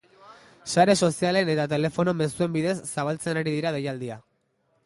Sare sozialen eta telefono mezuen bidez zabaltzen ari dira deialdia.